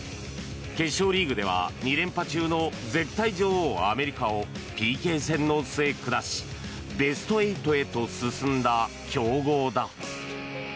決勝リーグでは２連覇中の絶対女王、アメリカをＰＫ戦の末、下しベスト８へと進んだ強豪だ。